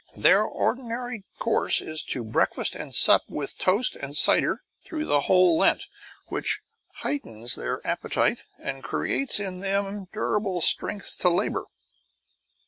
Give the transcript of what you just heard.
Their ordinary course is to breakfast and sup with toast and sider through the whole Lent; which heightens their appetites and creates in them durable strength to labour.